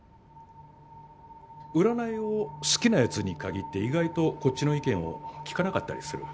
占いを好きな奴に限って意外とこっちの意見を聞かなかったりする。